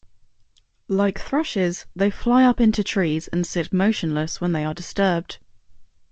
Like thrushes, they fly up into trees and sit motionless when they are disturbed.